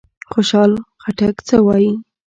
خوشحال خټک څه وايي؟